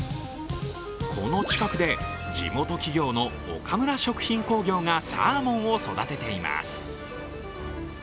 この近くで地元企業のオカムラ食品工業がサーモンを育てています。